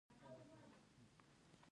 د نجونو تعلیم کورنۍ ته ښه روغتیا راوړي.